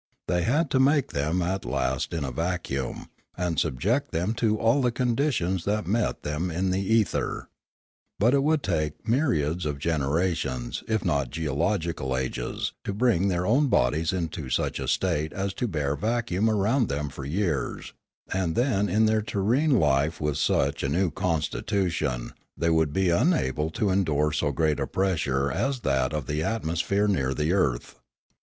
They had to make them at last in a vacuum, and subject them to all the conditions that met them in the ether. But it would take myriads of generations, if not of geological ages, to bring their own bodies into such a state as to bear vacuum around them for years; and then in their terrene life with such a new constitution they would be unable to endure so great a pressure as that of the atmosphere near the earth.